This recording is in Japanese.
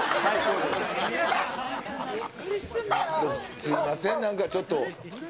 すみません、なんかちょっと。